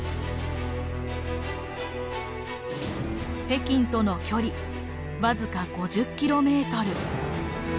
北京との距離僅か５０キロメートル。